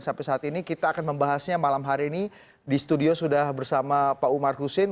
sampai saat ini kita akan membahasnya malam hari ini di studio sudah bersama pak umar husin